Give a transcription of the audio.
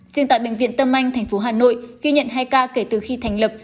riêng tại bệnh viện tâm anh thành phố hà nội ghi nhận hai ca kể từ khi thành lập